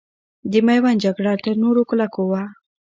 د میوند جګړه تر نورو کلکو وه.